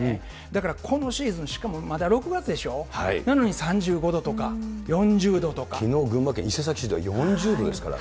だからこのシーズン、しかもまだ６月でしょ、なのに３５度とかきのう群馬県伊勢崎市では４０度ですから。